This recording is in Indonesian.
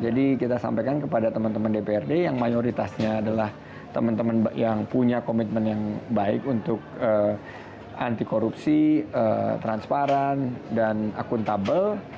jadi kita sampaikan kepada teman teman dprd yang mayoritasnya adalah teman teman yang punya komitmen yang baik untuk anti korupsi transparan dan akuntabel